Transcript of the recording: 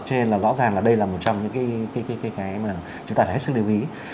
cho nên là rõ ràng là đây là một trong những cái mà chúng ta phải hết sức lưu ý